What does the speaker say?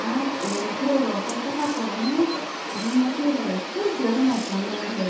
「親の苦労がわかりたかったらね」って「自分の姉弟より１人増やさないと駄目なんだよ」